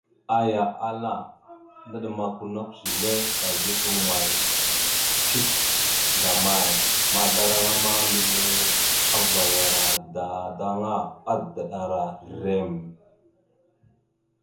Aya ahala: « Yaw, naɗəmakw a nakw zile, kazəɗaw amay cik zlamay? » Mazlaraŋa ma, mbile avayara dadaŋŋa, adaɗəra rrem.